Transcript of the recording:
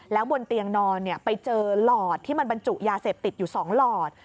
แล้วบนเตียงนอนไปเจอหลอดที่มันบรรจุยาเสพติดอยู่๒หลอด